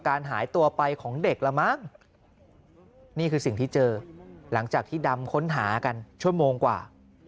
หายตัวไปของเด็กละมั้งนี่คือสิ่งที่เจอหลังจากที่ดำค้นหากันชั่วโมงกว่า